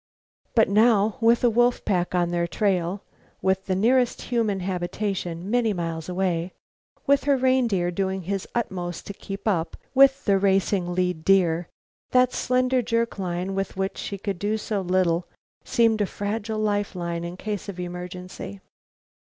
But now with a wolf pack on their trail, with the nearest human habitation many miles away, with her reindeer doing his utmost to keep up with the racing lead deer, that slender jerk line with which she could do so little seemed a fragile "life line" in case of emergency.